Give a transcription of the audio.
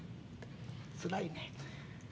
つらいねん。